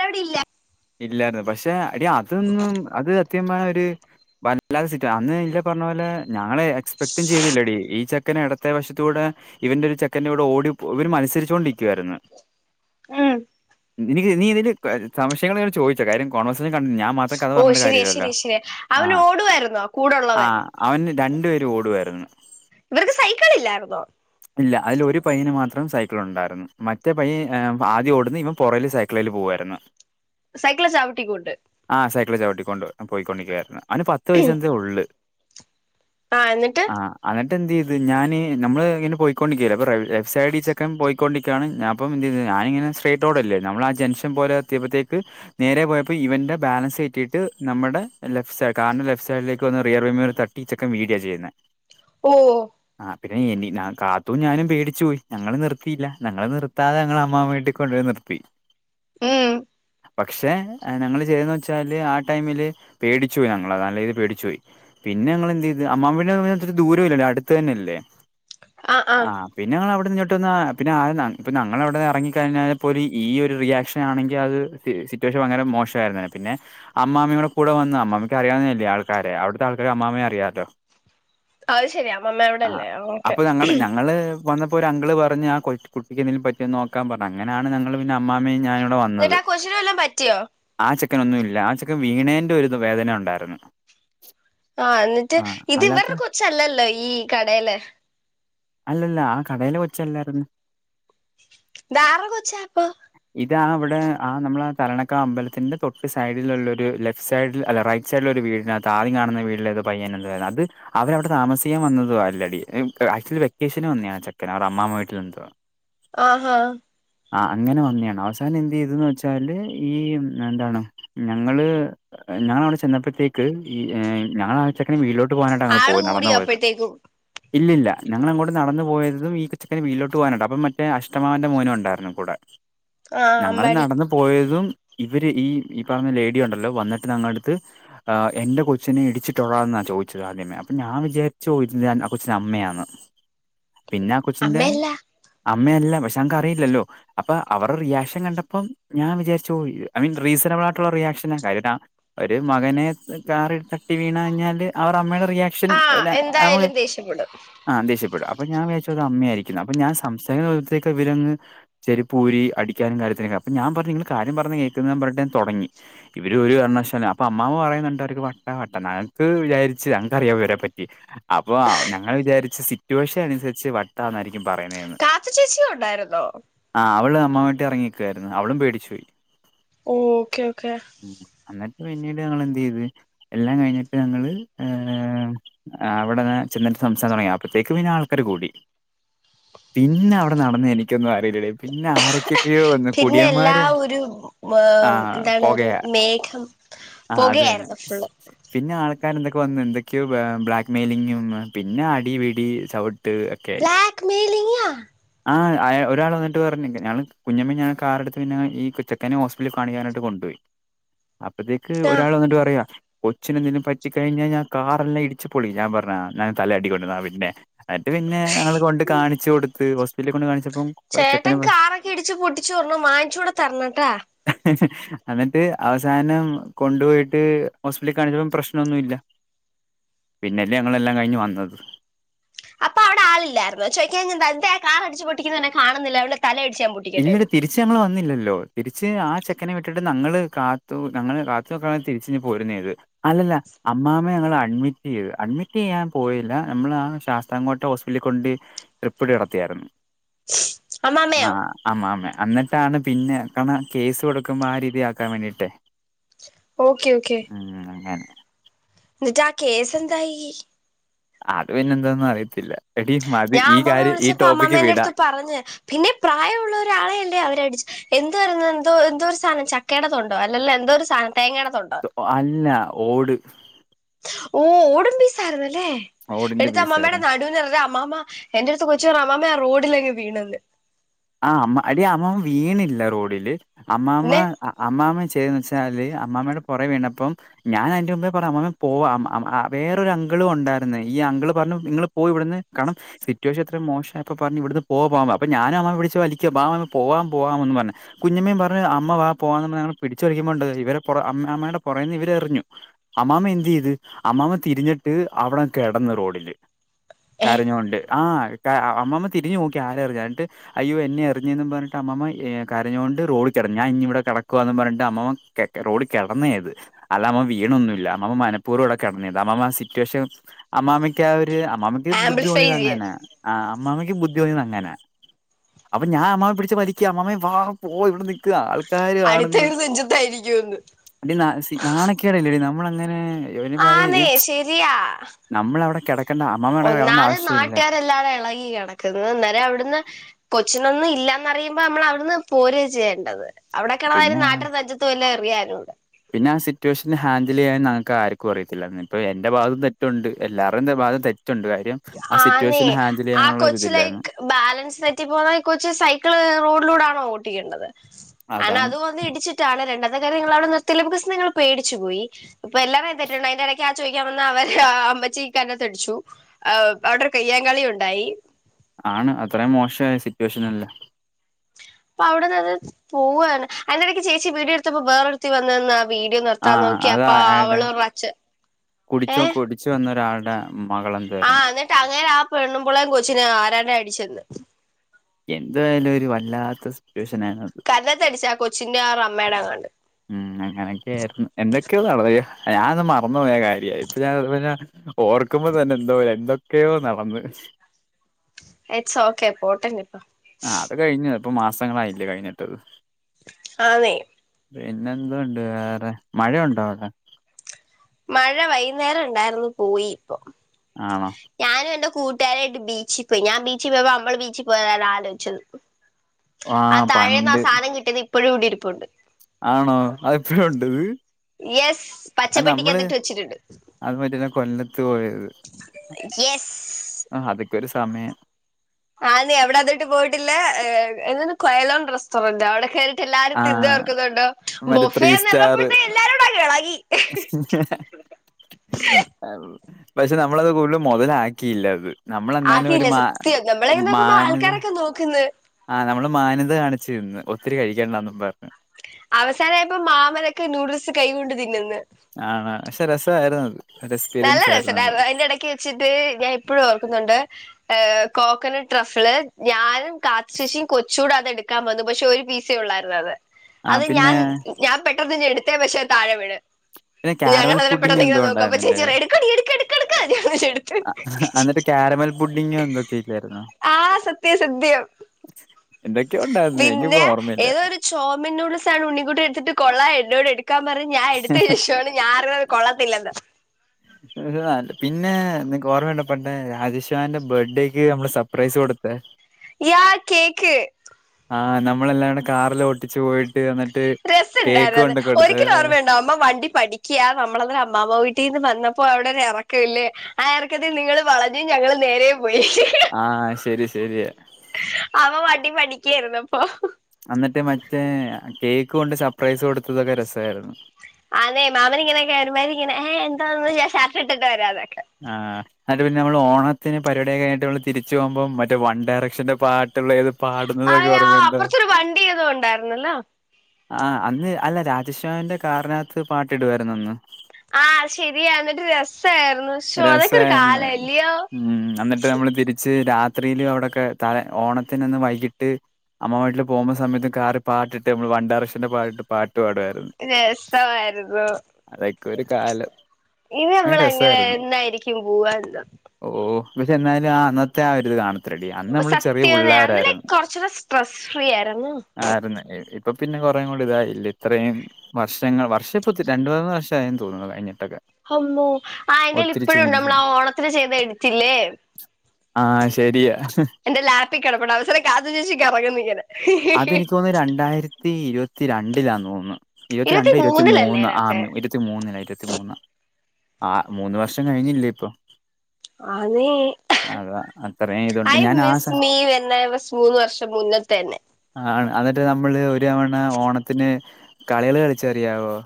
എന്റിവിടില്ല ഇല്ലായിരുന്നു പക്ഷെ എടി അതൊന്നും അത് സത്യം പറഞ്ഞാ ഒരു വല്ലാതെ സിറ്റാ അന്ന് ഇല്ല പറഞ്ഞ പോലെ ഞങ്ങള് എക്സ്പെക്ടും ചെയ്തില്ലടി ഈ ചെക്കൻ ഇടത്തെ വശത്തു കൂടെ ഇവന്റെ ഒരു ചെക്കന്റെ കൂടെ ഓടി ഇവര് മത്സരിച്ചുകൊണ്ടിരിക്കുവായിരുന്നു ഇല്ലേ എനിക്ക് നീ ഇതില് സംശയങ്ങളങ്ങണ്ട് ചോയിച്ചോ കാര്യം കോൺവർസേഷൻ ഞാൻ മാത്രം ത്തെ കഥ ഓ പറഞ്ഞിട്ട് ശരിയാ കാര്യല്ലല്ലോ ശരിയാ ശരിയാ അവൻ ആഹ് ഓടുവായിരുന്നോ കൂടുള്ളവൻ ആഹ് അവൻ രണ്ടു പേരും ഓടുവായിരുന്നു ഇവർക്ക് സൈക്കിൾ ഇല്ലായിരുന്നോ ഇല്ല അതിലെ ഒരു പയ്യന് മാത്രം സൈക്കിളുണ്ടായിരുന്നു മറ്റേ പയ്യൻ ആദ്യ ഓടുന്നു ഇവൻ പുറകിൽ സൈക്കിളിൽ പോവ്വായിരുന്നു സൈക്കിൾ ചവിട്ടിക്കൊണ്ട് ആഹ് സൈക്കിൾ ചവിട്ടിക്കൊണ്ട് പോയിക്കൊണ്ടിരിക്കുവായിരുന്നു അവന് പത്ത് വയസ്സെന്തേ ഉള്ള് ആ എന്നിട്ട് ആഹ് അന്നിട്ട് എന്ത് ചെയ്ത് ഞാന് നമ്മള് ഇങ്ങനെ പോയിക്കൊണ്ടരിക്കല്ലേ അപ്പോ ലെഫ്റ്റ് സൈഡ് ഈ ചെക്കൻ പോയികൊണ്ടിരിക്കണ് ഞാനപ്പം എന്ത് ചെയ്ത് ഞാനിനെ സ്ട്രൈറ്റ് റോഡല്ലേ നമ്മള് ആഹ് ജംഗ്ഷൻ പോലെ എത്തിയപ്പത്തേക്ക് നേരെ പോയപ്പോ ഇവന്റെ ബാലൻസ് തെറ്റിയിട്ട് നമ്മുടെ ലെഫ്റ്റ് സൈഡ് കാറിന്റെ ലെഫ്റ്റ് സൈഡിലേക്ക് വന്ന് റിയർ വിമർ ത ഈ ചെക്കൻ വീഴാണ് ചെയ്യുന്നത് ഓ ആഹ് പിന്നെ എനി നാൻ കാത്തും ഞാനും പേടിച്ചു പോയി ഞങ്ങള് നിർത്തിയില്ല ഞങ്ങള് നിർത്താതെ ഞങ്ങള് അമ്മാമ വീട്ടി കൊണ്ടുപോയി നിർത്തി ഉം പക്ഷെ ഞങ്ങള് ചെയ്തന്ന് വെച്ചാല് ആഹ് ടൈമില് പേടിച്ചുപോയി ഞങ്ങൾ നല്ല രീതിയിൽ പേടിച്ചുപോയി പിന്നെ ഞങ്ങള് എന്ത് ചെയ്ത് അമ്മാമ വീട് ഒത്തിരി ദൂരയില്ലല്ലോ അടുത്തു തന്നെല്ലേ ആ ആ ആഹ് പിന്നെ ഞങ്ങളവിടെന്നിങ്ങോട്ട് വന്ന് പിന്നെ ആഹ് ഇപ്പോൾ ഞങ്ങളവിടെന്ന് ഇറങ്ങിക്കഴിഞ്ഞാൽ പോലും ഈയ്യൊരു റിയാക്ഷനാണെങ്കിൽ അത് സിറ്റുവേഷൻ ഭയങ്കര മോശമായിരുന്നേനെ പിന്നെ അമ്മാമയും കൂടെ വന്ന് അമ്മാമ്മയ്ക്ക് അറിയാവുന്നതല്ലേ ആൾക്കാരെ അവിടുത്തെ ആൾക്കാരെ അമ്മാമയും അറിയാലോ അത് ശരിയാ അമ്മാമ്മ അവിടെല്ലേ ഓക്കെ അപ്പോ ഞങ്ങ ഞങ്ങള് വന്നപ്പോൾ ഒരു അങ്കിള് പറഞ്ഞ് ആഹ് കുട്ടക്കെന്തെങ്കിലും പറ്റിയോന്ന് നോക്കാൻ പറഞ്ഞു അങ്ങനാണ് ഞങ്ങള് പിന്നെ അമ്മാമയും ഞാനുടെ വ എന്നിട്ടാ കൊച്ചിന് വല്ലോം പറ്റിയോ ആഹ് ചെക്കനൊന്നും ഇല്ല ആഹ് ചെക്കൻ വീണേന്റെ ഒരു വേദന ഉണ്ടായിരുന്നു ആഹ് എന്നിട്ട് ആ ഇത് അല്ലാത്ത ഇവരുടെ കൊച്ചല്ലല്ലോ ഈ കടയിലേ അല്ലല്ല ആഹ് കടയിലെ കൊച്ചല്ലായിന്ന് ഇതാരുടെ കൊച്ച അപ്പൊ ഇതാ അവിടെ ആഹ് നമ്മള ആഹ് തലണക്ക അമ്പലത്തിന്റെ തൊട്ട് സൈഡിൽുള്ള ഒരു ലെഫ്റ്റ് സൈഡിൽ അല്ല റൈറ്റ് വെളിച്ചള്ള ഒരു വീടിന താറി കാണുന്ന വീടിലത് പയ്യന എ അത് അവര അടെ താമസാൻ വന്നതും അല്ലടി ആക്ച്വലി വെക്കേഷന് വന്നിയാണ് ചെക്കന് അവ അമ്മാമേടെ വീട്ടിൽ എന്തോ ആഹാ ആഹ് അങ്ങനെ വന്നിയാണ് അവസാനം എന്ത് ചെയ്തന്ന് വെച്ചാല് ഈ എന്താണ് ഞങ്ങള് ഞങ്ങളവിടെ ചെന്നപ്പോഴത്തേക്ക് ഈ ഞങ്ങള ആഹ് ച്ചെക്കന വീട്ടിലോട്ട് പോകാനട്ട് പോയി നടന്ന് പോയത് ഏകും ഇല്ലില്ല ഞങ്ങളങ്ങോട്ട്ന്നന്ന് പോയതും ഈ കൊച്ചക്കന് വീട്ടിലോട്ട് പോകാനായിട്ടണ്ട് അപ്പൊ മറ്റേ അഷ്ടമാവന്റെ മോനും ഉണ്ടായിരുന്നു കൂടെ ആ ഞങ്ങള് അമ്പാടി നടന്ന് പോയതും ഇവര് ഈ ഈ പറഞ്ഞ ലേഡിയ ഉണ്ടല്ലോ വന്നിട്ട് ഞങ്ങളടുത്ത് എന്റെ കൊച്ചിനെ ഇടിച്ചിട്ടുള്ളാ എന്നെന്നാ ചോദിച്ചത് ആദ്യമേ അപ്പൊ ഞാൻ വിചാരിച്ചഞാ കൊച്ചിൻ അമ്മയാണ് പിന്നെ ആഹ് കൊച്ചിന്റെ അമ്മയല്ല അമ്മയെല്ലാം പക്ഷെ അൻക്കറിയില്ലല്ലോ അപ്പൊ അവരുടെ റിയാക്ഷൻ കണ്ടപ്പോം ഞാൻ വിചാരിച്ചു ഐ മീൻ റീസനബിൾ ആയിട്ടുള്ള റിയാക്ഷനാ കാര്യാ ഒരു മകനെ കാറി തട്ടി വീണ കഴിഞ്ഞാല് അവർ അമ്മയുടെ റിയാക്ഷൻ ആ നമുക്ക് എന്തായാലും [inaudible] ആഹ് ദേഷ്യപ്പെടും അപ്പൊ ഞാൻ വെച്ചു ഒരു അമ്മയായിരിക്കുന്നു അപ്പൊ ഞാ സംസ്ഥാനത്തേക്ക് വിവരങ് ചെരിപ്പൂരി അടിക്കാനും കാര്യത്തിലൊക്കെ അപ്പൊ ഞാൻ പറു നിങ്ങള് കാര്യം പറഞ് കേൾക്കുന്ന പറഞ്ഞിട്ടേ തുടങ്ങി ഇവര് ഒരു കാരണവശാലും അപ്പൊ അമ്മാമ പറയുന്നുണ്ട് അവർക്ക് വട്ട വട്ട ഞങ്ങൾക്ക് വിചാരിച്ച് ഞങ്ങക്ക് അറിയാം ഇവരെ പറ്റി അപ്പൊ ഞങ്ങൾ വിചാരിച്ച് സിറ്റുവേഷൻ അനുസരിച്ച് വട്ടന്നായിരിക്കും പറയ്ണേ കാത്തു ചേച്ചിയും ഉണ്ടായിരുന്നോ ആഹ് അവള് അമ്മ വമായിട്ടി ഇറങ്ങിക്കുവായിരുന്നു അവളും പേടിച്ച പോയി ഓ ഓക്കെ ഓക്കെ ഉം എന്നിട്ട് പിന്നീട് ഞങ്ങൾ എന്ത് ചെയ്ത് എല്ലാം കഴിഞ്ഞിട്ട് ഞങ്ങള് അവിടെ ചെന്നിട്ട് സംസം തുടങ്ങിയ അപ്പോഴത്തേക്ക് പിന്നെ ആൾക്കാര് കൂടി പിന്നെ അവിടെ നടന്ന് എനിക്കൊന്നും അറിയില്ലല്ലേ പിന്നെ ആരൊക്കെ യ്യോ ഒന്ന് പിന്നെ എല്ലാ കുടിയന്മാര് ഒരു ആഹ് എന്താണ് ഒരു പുകയാ മേഘം ആഹ് അത് തന്നെ പുകയായിരുന്നു ഫുള്ള് പിന്നെ ആൾക്കർ എന്തൊക്കെ വന്ന് എന്തൊക്കെയോ ബ്ലാക്ക് മെയിലിങ്ങും പിന്നെ അടിപിടി ചവിട്ട് ബ്ലാക് മെയ്ലിങ്ങോ ആഹ് ഒരാൾ വന്നിട്ട് പറഞ്ഞ ഞങ്ങള് കുഞ്ഞമ്മേ കാർടുത്ത് പിന്നെ ഈ കൊച്ചക്കനെ ഹോ കാണിക്കാനായിട്ട് കൊണ്ടുപോയി അപ്പഴത്തേക്ക് ആ ഒരാൾ വന്നിട്ട് പറയാ കൊച്ചിനെലും പറ്റി കഴിഞ്ഞാൽ ഞാൻ കാറെല്ലാം ഇടിച്ച്പൊളി ഞാൻ പറഞ്ഞാ ഞാൻ തല അടിക്കൊണ്ടുന്ന പിന്നെ എന്നട്ട് പിന്നെ ഞങൾ കൊണ്ട് കാണിച്ചു കൊടുത്ത് ഹോസ്പിറ്റലിൽ കൊണ്ട് കാണിച്ചു ചേട്ടൻ കാറൊക്കെ ഇടിച്ച് പൊട്ടിച്ചോർണം വാങ്ങിച്ചൂടെ തരണംട്ടാ എന്നിട്ട് അവസാനം കൊണ്ടുപോയിട്ട് ഹോസ്പിറ്റലിൽ കാണിച്ചപ്പോം പ്രശ്നൊന്നുമല്ല്യ പിന്നല്ലേ ഞങ്ങളെല്ലാം കഴിഞ്ഞ് വന്നത് അപ്പൊ അവിടെ ആില്ലായിരുന്നു ചോദിക്കാഞ്ഞേയ് എന്താ ആ കാർ അടിച്ച് പൊട്ടിക്കുന്നു എന്നന്നെ കാണുന്നില്ല അവവിടെ തല അടിച്ചാൻ പൊട്ടി ഇങ്ങ തിരി തിരിച്ച് ഞങ്ങള്ൾ വന്നില്ലല്ലോ തിരിച്ച് ആ ചെക്കനെ വിട്ടിട്ട്ഞങ്ങള് കാത്തു ങ്ങള് കാത്തുക്ക തിരിച്ച ഞ് പോരുന്നത് അല്ലല്ല അമ്മാമ്മ ഞങ്ങൾ അഡ്മിറ്റ് ചെയ്തു അഡ്മിറ്റ് ചെയ്യാൻ പോയില്ല നമ്മൾ ആ ശാസ്തങ്ങോട്ടെ ഹോ്പ കൊണ്ട് ട്രിപ്പട് നടടത്തിയായിരുന്നു ആ അമ്മാമ്മയോ ആമ്മ ആമ്മ എന്നിട്ടാണ് പിന്നെ കണ കേസ് കൊടുക്കുമ്പോ ആ രീതി ആക്കാൻ വേണ്ടിട്ടേ ഓക്കെ ഓക്കെ ഉം അങ്ങെന എന്നിട്ടാ കേസ് എന്തായി അത് പിന്നെ എന്താന്നും അറിയത്തില്ല എടിമതി ഞാൻ ഈ അമ്മാമ്മയെ കാര്യം ഈ വിളിച്ചപ്പോ ടോപ്പിക്ക് അമ്മാമ്മ എന്റെ വിടാ അടുത്ത് പറഞ്ഞ് പിന്നെ പ്രായമുള്ള ഒരാളെല്ലേ അവര് അടിച്ച എന്ത് ആരുന്നു എന്തോ എന്തോ സാധനം ചക്കയുടെതൊണ്ടോ അല്ലല്ലോ എന്തോ ഒരു സാധനം തേങ്ങേയുടെതൊണ്ടോ അല്ല ഓട് ഓ ഒടമ്പി സാധനല്ലേ ഓടിന്റെ എടുത്ത് അമ്മാമട പീസായിരുന്നു നടുവിന് എറിഞ്ഞ അപ്പ അമാമ എന്റെ അടുത്ത് കൊച്ച് പറഞ്ഞു അമ്മാമ ആ റോഡിലങ്ങെ വീണന്ന് ആഹ് അമ്മാ എടി അമ്മമാമ്മ വീണില്ല റോഡില് അമ്മാമ്മ പിന്നെ അമ്മാമ്മ ചെയ്തന്ന് വെച്ചാല് അമ്മാമ്മയുടെ പുറേ വീണപ്പം ഞാൻ അതിന്റെ മുമ്പേ പറഞ്ഞ് അമ്മാമ പോവാ വേറൊ അങ്കിളും ഉണ്ടായിരുന്നു ഈ അങ്കിള് പറഞ്ഞു നിങ്ങള് പോയി ഇവിടുന്ന് കാരണം സിറ്റുവേഷൻ എത്ര മോശംപ്പോ പറഞ്ഞു ഇവിടുന്ന് പോ പോ അപ്പ ഞാൻ അമ്മാമ പി ടിച്ചു വലിക്ക വാ പോവാൻ പോവാന്ന് പറഞ്ഞ് കുഞ്ഞമ്മ പറഞ്ഞു അമ്മ വാ പോവാന്ന് പറഞ്ഞ ഞങ്ങൾ പിടിച്ചുപറിക്കുമ്പോണ്ട് ഇവര് അമ്മയുടെ പുറകെന്ന് ഇവര് എറിഞ്ഞു അമ്മാമ എനന്ത് ചെയ്ത് അമ്മാമ തിരിഞ്ഞിട്ട് അവിടെ കിടന്ന് റോഡില് ഏ കരഞ്ഞോണ്ട് ആഹ് ക അമ്മമ്മ തിരിഞ്ഞു നോക്കി ആരാ എറിഞ്ഞ എന്നിട്ട് അയ്യോ എന്നെ എറിഞ്ഞി പറഞ്ഞട്ട് അമ്മ കരഞ്ഞുകൊണ്ട് റോഡിക്കിട ഞാൻ ഇവിടെ കിടക്കുവാ എന്ന് പറഞ്ഞട്ട് അമ്മാമ റോഡ് കിടന്നത് അല്ല അമ്മ വീണൊന്നുമില്ല അമ്മ മനപ്പൂർവ കവിടെ കിടന്നത് അമ്മമ്മ ആ സിറ്റുവേഷൻ അമ്മാമയ്ക്ക് ആഹ് ഒരുര് അമ്മായ്ക്ക് ബുദ്ധി ആംപ്ലിഫൈ തോന്നിയത് ചെയ്യാൻ അങ്ങനാ ആഹ് അമ്മാമയ്ക്ക് ബുദ്ധി തോന്നിയത് അങ്ങനാ അപ്പൊ ഞാൻ അമ്മമേ പിടിച്ച വലിക്ക അമ്മാമേ വാ പോ ഇവിടന്ന് ചുറ്റു ആൾക്കാാര് കാണ്ന്ന് അടുത്തത് നെഞ്ചത്തായിരിക്കുമെന്ന് എടി നാണക്കേടല്ലേടി നമ്മള് അങ്ങനെ ആന്നേ ശരിയാ നമ്മളവിടെ കിടക്കണ്ട അമ്മാമ്മ അവിടെ കിടക്കേണ്ട ഒന്നാത് ആവശ്യമില്ല നാട്ടുകാര് എല്ലാവാരും ഇളകി അവിടെ അന്നേരം അവിടുന്ന് കൊച്ചിനൊന്നും ഇല്ലന്ന്റിയുമ്പോ നമ്മൾ അവിടുന്ന് പോര ചെയ്യേണ്ടത് അവിടെ പിന്നെ കിടന്ന് നാട്ടരു നേച്ചത്തുംല്ലാം എറിയാനോ പിന്നെ ആ സിറ്റുവേഷന് ഹാൻഡിൽ ചെയ്യാനൻ ഞങ്ങൾക്ക് ആർക്കും അിയത്തില്ലന്ന് ഇപ്പ എന്റെ ഭാഗം തെറ്റ്ണ്ട് എല്ലാരുംടെ ഭാഗം തെറ്റുണ്ട് കാര്യം ആ ആന്നേ സിറ്റുവേഷൻ ഹാൻഡിൽ ആ ചെയ്യാനുള്ള കൊച്ച് ഇതില്ലാണ് ലൈക്ക് ബാലൻസ് തെറ്റിപ്പോന്നത് ഈ കൊച്ച് സൈക്കിള് റോഡിലൂടെ ആണോ ഓട്ടിക്കേണ്ടത് അനേ അതാണ് അതും വന്ന് ഇടിച്ചിട്ടാണ് രണ്ടാത്തെ കാര്യം നിങ്ങള് അവിടെ നിർത്തില്ല നിങ്ങൾ പേടിച്ചു പോയി അപ്പൊ എല്ലാരും തെറ്റുണ്ട് അതിന്റെ ഇടയ്ക്ക് ആ ചോദിക്കാൻ വന്ന അവർ അമ്മച്ചീ കരണത്ത് അടിച്ചു ആഹ് അവിടെ ഒരു കയ്യം കളി ഉണ്ടായി ആണ് അത്രയും മോശമായ സിറ്റുവേഷനല്ല അപ്പൊ അവിടുന്ന് അത് പോവുവയാണ് അതിന്റെനിടയ്ക്ക് ചേച്ചി വീഡിയോ എടുത്തപ്പോ വേറെരുത്തി വന്ന് നിന്ന് വീഡിയോ ആ നിർത്താൻ അത് നോക്കിയപ്പൊ അയാളുടെ അവള് അച്ഛൻ ഏഹ് കുറച്ചു വന്ന ഒരാളുടെ മകൾ ഉണ്ടായിരുന്നു എന്നിട്ട് അങ്ങരേ ആ പെണ്പളേരേ കൊച്ചിനെ ആരാണ്ടേ അടിച്ചേക്കുന്നു എന്തായാലും ഒരു വല്ലാത്ത സിറ്റുവേഷൻ ആയിരുന്നു അത് എന്നിട്ട് അടിച്ച ആ കൊച്ചിന്റെ അവരുടെ അമ്മയുടെ അങ്ങാണ്ട് ഉം അങ്ങനെയൊക്കെയ ആയിരുന്നു എന്തൊക്കെയ നടണ്‌ ഞാനത് മറന്നു പോയ കാര്യ ഇപ്പൊ ഞാൻ ഓർക്കുമ്പോ തന്നെ എന്തോ എന്തൊക്കെയോ നടന്ന് എക്സ് ഓക്കെ പോട്ടന് ഇപ്പൊ ആ അത് കഴിഞ്ഞു ഇപ്പൊ മാസങ്ങളായില്ലേ കഴിഞ്ഞട്ട് ആന്നേ പിന്നെ എന്തുണ്ട് വേറെ മഴയുണ്ടോ അവിടെ മഴ വൈകുന്നേരം ഉണ്ടായിരുന്നു പോയി ഇപ്പൊ ആണോ ഞാനും എന്റെ കൂട്ടുകാരായിട്ട് ബീച്ചിൽ പോയി ഞാൻ ബിച്ചിൽ പോയപ്പോൾ നമ്മള് ബീച്ചിൽ പോയതാണ് ആലോചിച്ചത് [inaudible] ആഹ് താഴേന്ന് ആ പണ്ട് സാധനം കിട്ടിയത് ഇപ്പോഴും ഇവിടിരിപ്പുണ്ട് ആണോ അത് ഇപ്പോഴും ഉണ്ടോ അത് യെസ് അത് നമ്മള് പച്ചപ്പെട്ടിക്കകത്തിട്ട് വെച്ചിട്ടുണ്ട് അത് മറ്റേ കൊല്ലത്ത് പോയത് യെസ് ആഹ് അതൊക്കെ ഒരു സമയാ അത് നീ എവിടെ ആദ്യായിട്ട് പോയിട്ടില്ലേ എ കൊയലോൺ റെസ്റ്റോറന്റ് അവിടെ കേറി എല്ലാരും ആ തിന്ന് തീർക്കുന്നുണ്ടോ മറ്റേ ത്രീ ബൊഫേന്ന് സ്റ്റാർ പറഞ്ഞപ്പോഴത്തേ എല്ലാരുംകൂടിഅങ്ങ് ഇളകി പക്ഷെ നമ്മളത് കൂടുതലും മുതലാക്കിയില്ല അത് നമ്മളെന്നാലും ഒരു ആക്കിയില്ലേ മാ സത്യം നമ്മളെ നോക്കുമ്പോ മാന്യത ആൾക്കാരൊക്കെ നോക്കുന്ന് ആഹ് നമ്മള് മാന്യത കാണിച്ചിരുന്ന് ഒത്തിരി കഴിക്കണ്ടാന്നും പറഞ്ഞ് അവസാനമായപ്പം മാമനൊക്കെ നൂഡിൽസ് കൈകൊണ്ട് തിന്നുന്ന് ആണ് പക്ഷെ രസമായിരുന്ന് നല്ല രസണ്ടായിരുന്നു അതിന്റെ ഇടയ് വെച്ചിട്ട് ഞാൻ ഇപ്പഴും ഓർക്കുന്നുണ്ട് ആഹ് കോക്കനട്ട് റഫള് ഞാനും കാത്തു ചേച്ചിയും കൊച്ചൂടെ അതെടുക്കാൻ വന്ന് പക്ഷെ ഒരു പീസെ ഉള്ളായിരുന്ന് അത് ആ അത് ഞാൻ പിന്നെ ഞാൻ പെട്ടെന്ന് തന്നെ എടുത്തെയാ പക്ഷെ താഴെ വീണ് പിന്നെ ഞങ്ങൾ കാരമൽ അതിനെ പുഡിങ്ങ് പെട്ടെന്ന് ഇങ്ങനെ എന്തോ നോക്കും അപ്പൊ ഉണ്ടായിരുന്നില്ലേ ചേച്ചി പറയും എടുക്ക് എടുക്ക് എടുക്ക് എന്നിട്ട് ക്യാരമൽ പുഡിങ്ങ് എന്തൊക്കെയോ ഇല്ലായിരുന്നോ ആഹ് സത്യം സത്യം എന്തൊക്കെയോ ഉണ്ടായിരുന്ന് എനിക്കിപ്പോ പിന്നെ ഓർമ്മയില്ല ഏതോ ഒരു ചോമൻ നൂഡിൽസ്സാണ് ഉണ്ണി കുട്ടൻ എടുത്തിട്ട് കൊള്ളാം എന്നോട് എടുക്കാൻ പറഞ്ഞ് ഞാൻ എടുത്ത ശേഷാണ് ഞാൻ പറഞ്ഞ് കൊള്ളത്തില്ലെന്ന് ല പിന്നെ നിക്ക് ഓർമ്മയുണ്ടോ പണ്ട് രാജേഷ്മാമന്റെ ബർത്ത്ഡേക്ക് നമ്മള് സർപ്രൈസ് കൊടുത്തെ [inaudible] യാഹ് കേക്ക് ആഹ് നമ്മളെല്ലാരൂടെ കാറില് ഒട്ടിച്ചു പോയി രസുണ്ടായിരുന്നത് ഒരിക്കല് ഓർമ്മയുണ്ടോ അമ്മ വണ്ടി പഠി ക്യാ നമ്മളത് അമ്മാമ്മ വീട്ടീന്ന് വന്നപ്പം അവിടൊരു ഇറക്കവില്ലേ ആ ഇറക്കത്തിൽ നിങ്ങള് വളഞ്ഞും ഞങ്ങള് നേരെയും പോയി ആഹ് ശരി ശരിയാ അമ്മ വണ്ടി പഠിക്കയാരുന്നപ്പോ അന്നിട്ട് മറ്റേ കേക്ക് കൊണ്ട് സർപ്രൈസ് കൊടുത്തതൊക്കെ രസമായിരുന്ന് അതെ മാമൻ ഇങ്ങനെയൊക്കെയാ ഒരുമാതിരിഇങ്ങനെ ഏഹ് എന്താന്ന് ഷർട്ട്‌ ഇട്ടിട്ട് വരാന്നൊക്കെ ആഹ് എന്നിട്ട് പിന്നെ നമ്മള് ഓണത്തിന് പരിപാടിയൊക്കെ കഴിഞ്ഞിട്ട് നമ്മള് തിരിച്ച് പോകുമ്പം മറ്റേ വൺ ഡയറക്ഷന്റെ പാ ട്ടുള്ള ഏത് പാടുന്നതൊക്കെ അയ്യോ ഓർമ്മയുണ്ടോ അപ്പുറത്തൊരു വണ്ടി ഏതോ ഉണ്ടായിരുന്നല്ലോ ആഹ് അന്ന് അല്ല രാജേഷ്മാമന്റെ കാറിനകത്ത് പാട്ടിടുവായിരുന്ന് അന്ന് ആഹ് ശരിയാ എന്നിട്ട് രസായിരുന്ന് രസായിരുന്ന് ഉം എന്നിട്ട് നമ്മള് തിരിച്ച് രാ രാത്രിയില് അവിടൊക്കെ തലേ ഓണത്തിന് അന്ന് വൈകിട്ട് അമ്മ വീട്ടിൽ പോകുന്ന സമയത്ത് കാറി പാട്ട് ഇട്ട് നമ്മള് വൺ ഡയറക്ഷന്റെ പാട്ട് പാടുമായിരുന്ന് രസമായിരുന്നു ഒരു കാലം ഇനി അത് നമ്മള് അങ്ങനെ എന്നായിരിക്കും പോവാ എന്തോ ഓഹ് പക്ഷേ എന്നായാലും ആ അന്നത്തെ ആ ഒരിത് കാണും സത്യവാ അന്നലേ കൊറച്ചൂടെ സ്ട്രെസ്സ് ഫ്രീ ആയിരുന്ന് ആരുന്ന് ഇപ്പം പിന്നെ കുറേയും കൂടി ഇതായില്ലേ ഇത്രയും വർഷങ്ങൾ വർഷം ഇപ്പം ത് രണ്ടു മൂന്ന് വർഷം ആയെന്ന് തോന്നുന്ന് കഴിഞ്ഞിട്ടൊക്കെ അമ്മോ ആഹ് എന്റെ കയ്യില് ഒത്തിരി ഇപ്പഴും ഉണ്ട് നമ്മള് ആ ഓണത്തിന് ചെയ്ത എഡിറ്റില്ലേ ആഹ് ശരിയാ എന്റെ ലാപ്പിക്കിടപ്പുണ്ട് അവസാനം കാത്തു ചേച്ചി കറങ്ങുന്നിങ്ങനെ അതെനിക്ക് തോന്ന് രണ്ടായിരത്തി ഇരുപത്തി രണ്ടിലാന്ന് തോന്ന് ഇരുപത്തി രണ്ട് ഇരുപത്തി മൂന്നിലല്ലേ മൂന്ന് അതിനകത്തെ ആന്ന് ഇരു പത്തിമൂന്നില ഇരുപത്തി മൂന്നാ ആഹ് മൂന്ന് വർഷം കഴിഞ്ഞില്ലേ ഇപ്പം ആന്നേ അതാ അത്രയും ഇതുണ്ട് ഐ ഞാൻ ആ സ മിസ്സ് മി [unintelligible] മൂന്ന് വർഷം മുന്നേതന്നെ ആണ് എന്നിട്ട് നമ്മള് ഒരുവണ ഓണത്തിന് കളികള് കളിച്ചറിയാവോ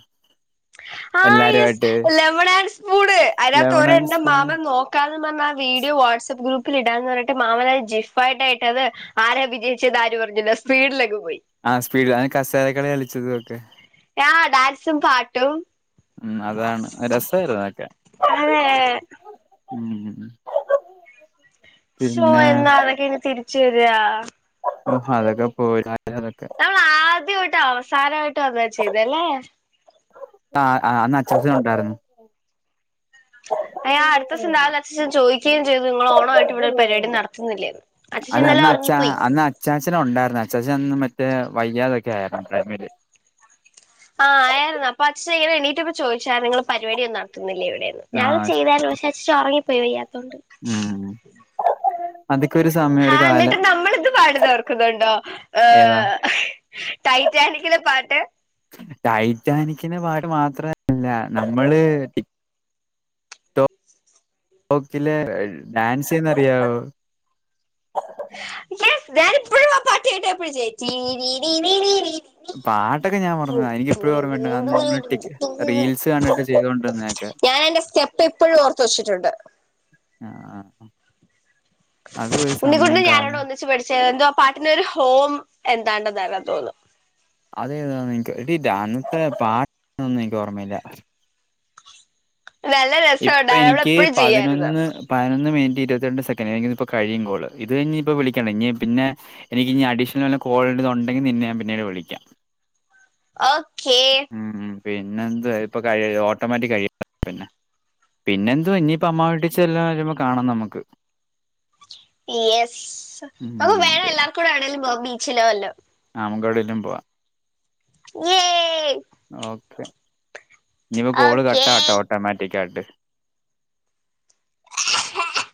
ആഹ് യസ് എല്ലാരുമായിട്ട് ലെമൺ ആൻ സ്പൂണ് അതിനകത്ത് ലെമൺ ആൻഡ് ഒരെണ്ണം സ്പൂൺ മാമ നോക്ക ക്കാതേ പറഞ്ഞ് ആ വീഡിയോ വാട്സ്ആപ്പ് ഗ്രൂപ്പിൽ ഇടാ എന്ന് പറഞ്ഞിട്ട് മാമനായ ജിഫായിയിട്ടായിട്ടത് ആരെ വിജയിച്ചതാരു പറഞ്ഞില്ല സ്പീഡിലക്കെ പോയി ആഹ് സ്പീഡ്ല് അഹ് കസാല കളി കളിച്ചത് ഒക്കെ ആഹ് ഡാൻസും പാട്ടും ഉം അതാണ് രസായിരുന്നു അതൊക്കെ [unintelligible] ഉം ഷോ പിന്നെ എന്നാ അതൊക്കെ ഇനി തിരിച്ച് വരാ ഓഹ് അതൊക്കെ പോയി [unintelligible] നമ്മള് ആദ്യമായിട്ട് അവസാനമായിട്ട് അതാ ചെയ്തല്ലേ ആഹ് ആഹ് അന്ന് അച്ചാച്ചൻ ഉണ്ടായിരുന്നു അയ്യാ അടുത്ത ദിവസം രാവിലെ അച്ചച്ചൻ ചോദിക്കുകയും ചെയ്തു നിങ്ങൾ ഓണമായിട്ട് ഇവിടെ ഒരു പരിപാടി നടത്തുന്നില്ലേന്ന് അച്ചച്ചൻ അല്ല ഇന്നലെ അന്ന് അച്ചാ ഒറങ്ങിപ്പോയി അന്ന് അച്ചാച്ചൻ ഉണ്ടായിരുന്നു അച്ചൻ അന്ന് മറ്റേ വയ്യാതൊക്കെ ആയിരുന്നു ടൈമില് ആഹ് ആയിരുന്നു പക്ഷേ എണീറ്റപ്പൻ ചോദിച്ചായിരുന്നു നിങ്ങള് പ പരിപാടിയന്നും നടത്തുന്നില്ല ഇവിടെന്ന് ഞാൻ ആഹ് ചെയ്താലോ പക്ഷേ അച്ചാച്ചൻ ഒറങ്ങിപ്പോയി വയ്യാത്തോണ്ട് ഉം അതൊക്കെരുസം ഹാ ന്നിട്ട് നമ്മളിത് പാടുന്നത് ഓർക്കുന്നുണ്ടോ ഏ ഏതാ ടൈറ്റാനിക്കിലെ പാട്ട് ടൈറ്റാനിക്കിന്റെ പാട്ട് മാത്രല്ല നമ്മള് [unintelligible] ഡാൻസ് ചെയ്യുന്നത് അറിയാമോ യസ് ഞാൻ ഇപ്പഴും ആ പാട്ട്കേട്ട [unintelligible] പാട്ടൊക്കെഞാൻ മറന്ന് എനിക്ക് ഇപ്പഴും ഓമ്മണ്ട് റീൽസ് കണ്ടിട്ട് ചെയ്തൊണ്ടിരുന്നതൊക്കെ ഞാനയിന്റെ സ്റ്റെപ്പ് ഇപ്പോഴും ഓർത്ത് വച്ചിട്ടുണ്ട് ആഹ് ആഹ് ഉണ്ണിക്കുട്ടനും ഞാനും അവിടെ കാലം ഒന്നിച്ച് പഠിച്ചത് എന്തോ ആ പാട്ടിന് ഒരു ഹോം എന്താണ്ടെന്നല്ല തോന്നുന്നു അതേതാ എനിക്ക് എടി ഡാൻസ് പാട്ടൊന്നും എനിക്ക് ഓർമ്മയില്ല നല്ല ഇപ്പൊ രസമുണ്ടായിരുന്നു അവിടെ എനിക്ക് എപ്പോഴും ചെയ്യായിരുന്നു പതിനൊന്ന് പതിനൊന്ന്മിനിറ്റ് ഇരുപത്തിരണ്ട് സെക്കൻറ് എങ്കിലിത് ഇപ്പോകഴിയും കോള് ഇത് ഇനി ഇപ്പോ വിളിക്കണ്ട ഇനി പിന്നെ എനിക്ക് ഇനി അഡീഷണൽ കോൾ ഉണ്ടെങ്കിൽ നിന്ന ഞാൻ പിന്നീട് വിളിക്കാ ഓക്കേ ഉം പിന്നെ എന്ത് ഇപ്പ കഴിയും ഓട്ടോമാറ്റിക്കായി കഴിയ പിന്നെ പിന്നെ എന്തുവാ ഇനിപ്പ അമ്മാ വീട്ടിൽ ചെല്ല [unintelligible] കാണാം നമുക്ക് യസ് നമുക്ക് മ്മ്. വേറെ പി എല്ലാ കൂടെ എവിടെയെങ്കിലും പോവാൻ ബീച്ചിലോ വല്ലോ നമുക്ക് എവിടെയെങ്കിലും പോവാ ങ്ങേ ഓക്കെ ഇനിപ്പോ കോള് ഓക്കെ കട്ടാവട്ടെ ഓട്ടോമാറ്റികായിട്ട് [unintelligible]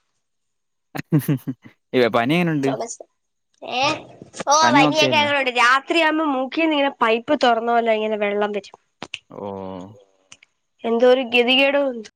ഉ [unintelligible] അയ്യോ പനി എങ്ങനെയുണ്ട് ചുമച്ച് എ പനി ഓക്കെ പനിയൊക്കെ അല്ലേ? അങ്ങനെയൊക്കെ ഉണ്ട് രാ ത്രിയാകുമ്പോൾ മൂക്കിൽ നിന്നും പൈപ്പ് തുറന്ന പോല്ലോ ഇങ്ങനെ വെള്ളം വരും ഓ എന്തോ ഒരു ഗതികേടുണ്ട് എന്തോ